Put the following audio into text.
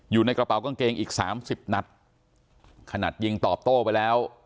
อยู่ในกระเป๋ากางเกงอีกสามสิบนัดขนาดยิงตอบโต้ไปแล้ว